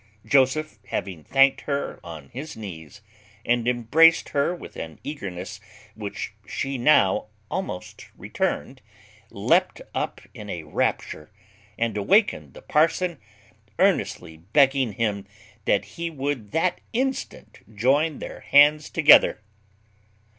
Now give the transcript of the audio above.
Joseph, having thanked her on his knees, and embraced her with an eagerness which she now almost returned, leapt up in a rapture, and awakened the parson, earnestly begging him "that he would that instant join their hands together."